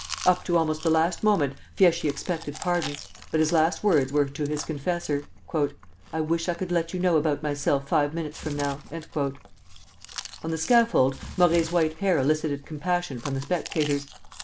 Up to almost the last moment Fieschi expected pardon; but his last words were to his confessor: "I wish I could let you know about myself five minutes from now." On the scaffold Morey's white hair elicited compassion from the spectators.